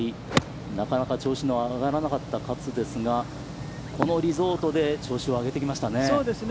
なかなか調子が上がらなかった勝ですがこのリゾートで調子を上げてきましたよね。